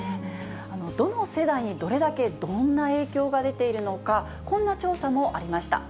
どの世代に、どれだけ、どんな影響が出ているのか、こんな調査もありました。